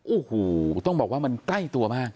โอ้โหต้องบอกว่ามันใกล้ตัวมาก